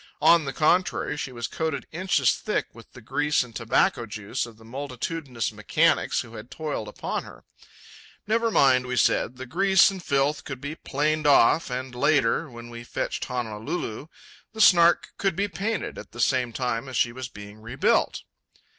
On the contrary, she was coated inches thick with the grease and tobacco juice of the multitudinous mechanics who had toiled upon her. Never mind, we said; the grease and filth could be planed off, and later, when we fetched Honolulu, the Snark could be painted at the same time as she was being rebuilt.